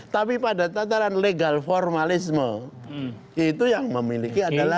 tapi pada tataran legal formalisme itu yang memiliki adalah